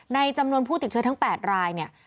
ในจำนวนผู้ติดเชื้อทั้ง๘ราย